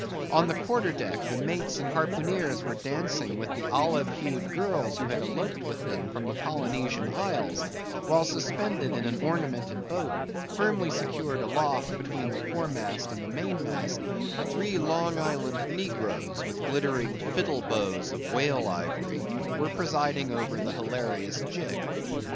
On the quarter deck, the mates and harpooneers were dancing with the olive hued girls who had eloped with them from the Polynesian Isles; while suspended in an ornamented boat, firmly secured aloft between the foremast and mainmast, three Long Island negroes, with glittering fiddle bows of whale ivory, were presiding over the hilarious jig.